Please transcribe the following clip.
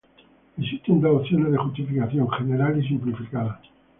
Existen dos opciones de justificación, general y simplificada.